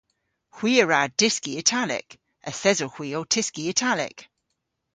Hwi a wra dyski Italek. Yth esowgh hwi ow tyski Italek.